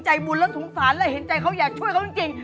บุญและสงสารและเห็นใจเขาอยากช่วยเขาจริง